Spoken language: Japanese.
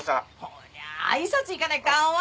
そりゃあいさつ行かないかんわ。